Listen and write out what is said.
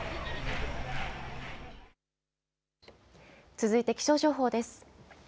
続いて気象情報です。